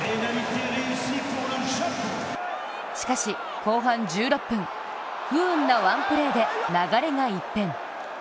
しかし、後半１６分、不運なワンプレーで流れが一変。